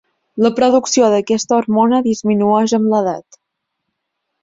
La producció d'aquesta hormona disminueix amb l'edat.